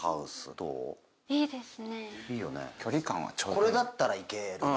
これだったらいけるな。